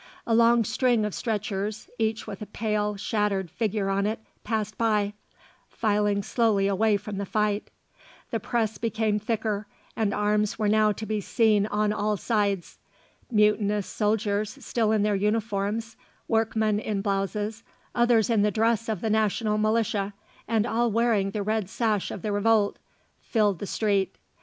A long string of stretchers, each with a pale, shattered figure on it, passed by, filing slowly away from the fight. The press became thicker, and arms were now to be seen on all sides. Mutinous soldiers still in their uniforms, workmen in blouses, others in the dress of the National Militia, and all wearing the red sash of the revolt, filled the street.